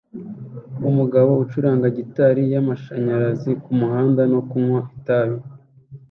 Umugabo ucuranga gitari y'amashanyarazi kumuhanda no kunywa itabi